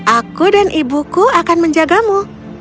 aku dan ibuku akan menjagamu